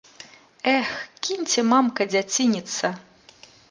Эх, кіньце, мамка, дзяцініцца!